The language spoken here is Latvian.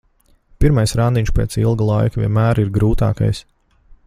Pirmais randiņš pēc ilga laika vienmēr ir grūtākais.